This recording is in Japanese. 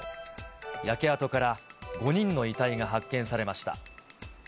焼け跡から５人の遺体が発見されました。